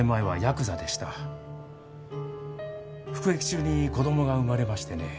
服役中に子供が生まれましてね。